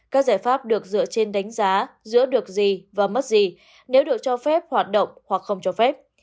các giải pháp được dựa trên đánh giá giữa được gì và mất gì nếu được cho phép hoạt động hoặc không cho phép